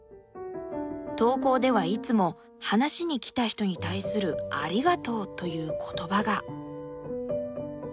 投稿ではいつも話しに来た人に対する「ありがとう」という言葉が。